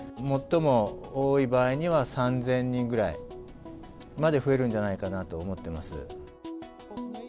最も多い場合には、３０００人ぐらいまで増えるんじゃないかなと思っております。